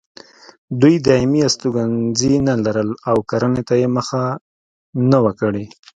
دوی دایمي استوګنځي نه لرل او کرنې ته یې مخه نه وه کړې.